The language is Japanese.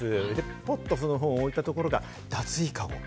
ぱっとその本を置いたところが脱衣籠。